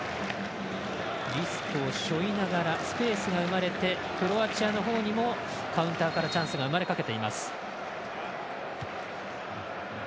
リスクをしょいながらスペースが生まれてクロアチアのほうにもカウンターからチャンスが生まれかけています。